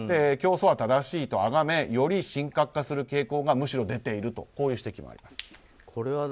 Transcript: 教祖は正しいとあがめより神格化する傾向がむしろ出ているという指摘です。